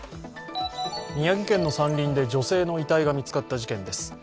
宮城県の山林で女性の遺体が見つかった事件です。